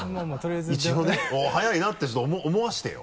一応ね「おっ速いな」って思わせてよ